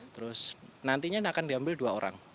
terus nantinya akan diambil dua orang